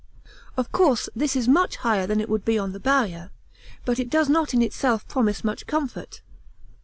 Of course this is much higher than it would be on the Barrier, but it does not in itself promise much comfort.